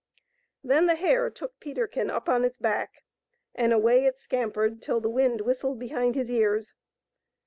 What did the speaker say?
Then the hare took Peterkin up on its back, and away it scampered till the wind whistled behind his ears.